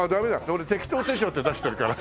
俺適当手帳って出してるから。